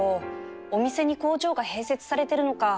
お店に工場が併設されてるのか